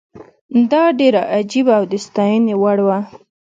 دا ډېره عجیبه او د ستاینې وړ وه.